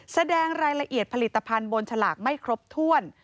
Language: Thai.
แสดงรายละเอียดผลิตภัณฑ์บนฉลากไม่ครบถ้วน